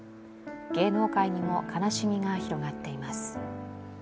芸能界にも悲しみが広がっています。